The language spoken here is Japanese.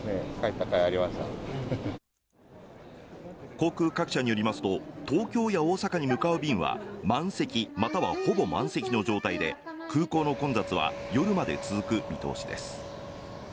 航空各社によりますと東京や大阪に向かう便は満席、またはほぼ満席の状態で空港の混雑は夜まで続く見通しです。